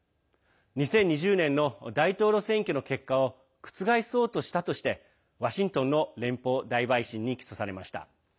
２０２０年の大統領選挙の結果を覆そうとしたとしてワシントンの連邦大陪審に起訴されました。